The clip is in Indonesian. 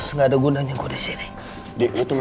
lu resid emang nggak mevensial gue